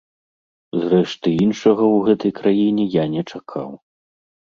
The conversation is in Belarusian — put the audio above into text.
Зрэшты, іншага ў гэтай краіне я не чакаў.